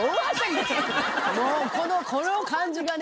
もうこのこの感じがね。